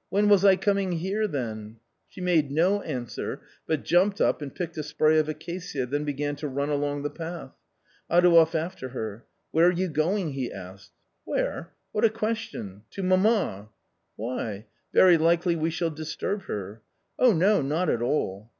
" When was I coming here then ?" She made no answer, but jumped up and picked a spray of acacia, then began to run along the path. Adouev after her. " Where are you going ?" he asked. " Where ? What a question ! To mamma." " Why ? Very likely we shall disturb her." " Oh no, not at all."